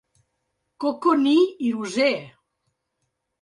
"Koko ni Iruzee!"